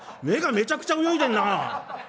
「目がめちゃくちゃ泳いでんなあ！